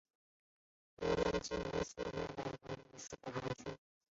由廿七名司铎名管理廿四个堂区。